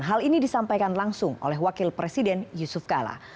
hal ini disampaikan langsung oleh wakil presiden yusuf kala